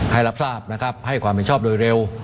ให้รับทราบให้ความผิดชอบโดยเร็ว